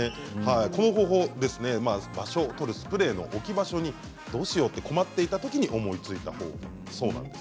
この方法、場所を取るスプレーの置き場所にどうしようと困っていたときに思いついたそうなんです。